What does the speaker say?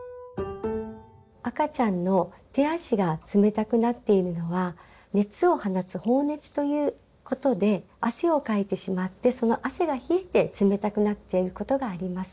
赤ちゃんの手足が冷たくなっているのは熱を放つ放熱ということで汗をかいてしまってその汗が冷えて冷たくなっていることがあります。